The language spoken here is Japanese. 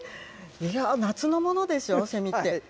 いやぁ、夏のものでしょ、セミって。